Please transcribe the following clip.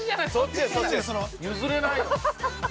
譲れないよ。